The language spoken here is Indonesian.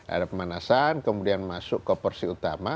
ada pemanasan kemudian masuk ke porsi utama